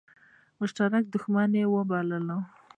مشترک دښمن وبولي.